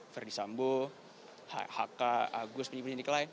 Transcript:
verdi sambo hk agus penyidik lain